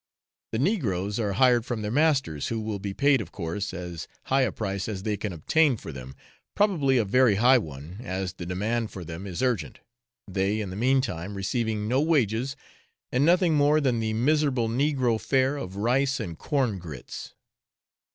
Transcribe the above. The negroes are hired from their masters, who will be paid of course as high a price as they can obtain for them probably a very high one, as the demand for them is urgent they, in the meantime, receiving no wages, and nothing more than the miserable negro fare of rice and corn grits.